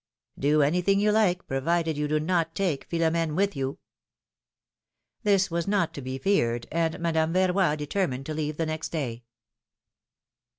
'^Do anything you like, provided you do not take Philom^ne with you." This was not to be feared, and Madame Verroy deter mined to leave the next day.